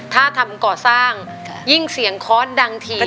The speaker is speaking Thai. ถ้าทำก่อสร้างยิ่งเสียงคอร์สดังที